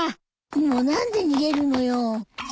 もう何で逃げるのよ。